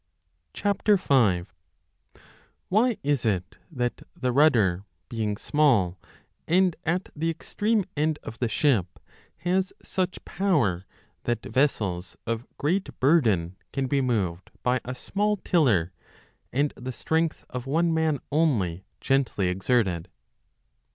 5 WHY is it that the rudder, being small and at the extreme end of the ship, has such power that vessels of great burden can be moved by a small tiller and the strength of one 30 man only gently exerted